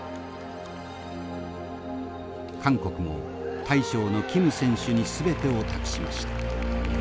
韓国も大将のキム選手に全てを託しました。